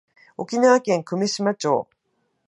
沖縄県久米島町